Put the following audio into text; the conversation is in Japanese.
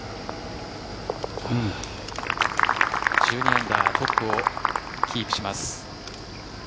１２アンダートップをキープします。